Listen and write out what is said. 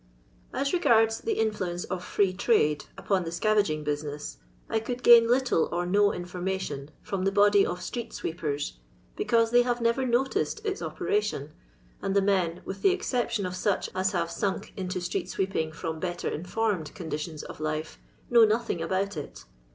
As regards the influence of Free Trade upon the scavaging business, I could gain little or no information from the body of street sweepers, because they have never noticed its operation, and the men, with the exception of such as have sunk into street sweeping from better informed con ditions of life, know nothing about it.